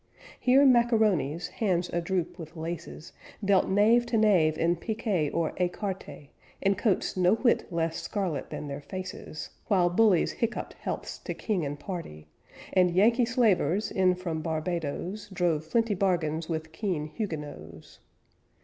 Here macaronis, hands a droop with laces, Dealt knave to knave in picquet or écarté, In coats no whit less scarlet than their faces, While bullies hiccuped healths to King and Party, And Yankee slavers, in from Barbadoes, Drove flinty bargains with keen Huguenots.